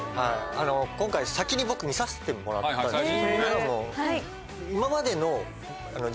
今回先に僕見させてもらったんですよね。